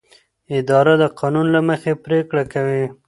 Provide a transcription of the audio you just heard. اداره د قانون له مخې پریکړه کوي.